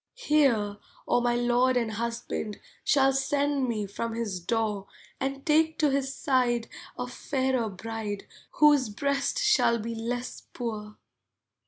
Hear, or my lord and husband Shall send me from his door And take to his side a fairer bride Whose breast shall be less poor.